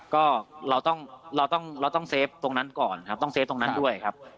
ก็เราต้องเซฟตรงนั้นก่อนต้องเซฟตรงนั้นด้วยครับ